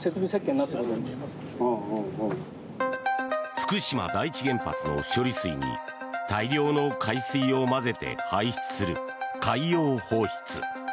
福島第一原発の処理水に大量の海水を混ぜて放出する海洋放出。